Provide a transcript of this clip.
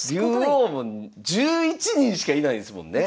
竜王も１１人しかいないですもんね。